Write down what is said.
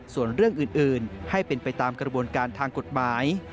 ส่วนเรื่องอื่นให้เป็นไปตามกระบวนการทางกฎหมาย